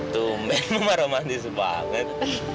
tumben mama romantis banget